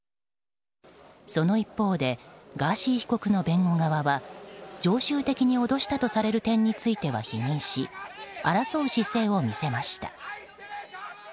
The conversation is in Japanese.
その一方でガーシー被告の弁護側は常習的に脅したとされる点については否認し争う姿勢を見せました。